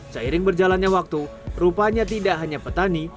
seiring berjalannya waktu rupanya tidak hanya petani